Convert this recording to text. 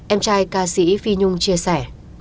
em trai ca sĩ phi nhung chia sẻ